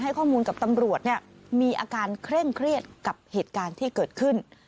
ข้อมูลกับตำรวจเนี่ยมีอาการเคร่งเครียดกับเหตุการณ์ที่เกิดขึ้น